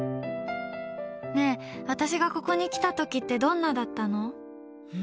ねえ、私がここに来た時ってどんなだったの？